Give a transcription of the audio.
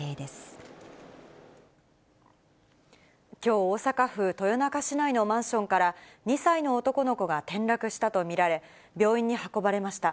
きょう、大阪府豊中市内のマンションから、２歳の男の子が転落したと見られ、病院に運ばれました。